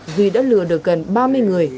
duy đã lừa được gần ba mươi người